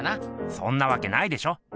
そんなわけないでしょ。